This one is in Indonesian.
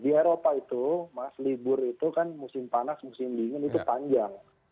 di eropa itu mas libur itu kan musim panas musim dingin itu panjang